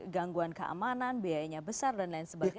gangguan keamanan biayanya besar dan lain sebagainya